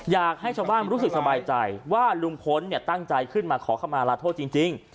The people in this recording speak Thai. อยากให้ชาวบ้านรู้สึกสบายใจว่าลุงพลตั้งใจขึ้นมาขอเข้ามาลาโทษจริง